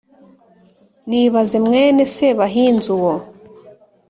nibaze! mwene sebahinzi uwo